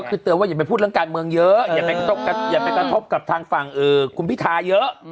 คือเตือนว่าอย่าไปพูดเรื่องการเมืองเยอะอย่าไปกระทบกับทางฝั่งคุณพิทาเยอะ